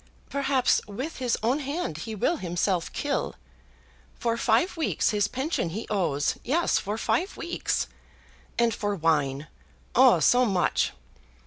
Perhaps with his own hand he will himself kill. For five weeks his pension he owes; yes, for five weeks. And for wine, oh so much!